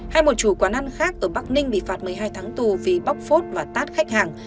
hay một chủ quán ăn khác ở bắc ninh bị phạt một mươi hai tháng tù vì bóc phốt và tát khách hàng